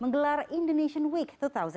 menggelar indonesian week dua ribu dua puluh satu